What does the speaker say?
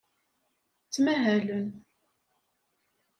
Ttmahalen.